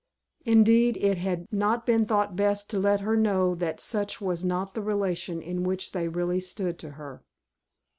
Indeed, it had not been thought best to let her know that such was not the relation in which they really stood to her.